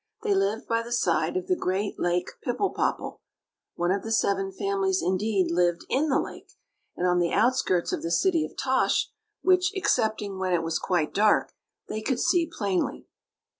They lived by the side of the great Lake Pipple popple (one of the seven families, indeed, lived in the lake), and on the outskirts of the city of Tosh, which, excepting when it was quite dark, they could see plainly.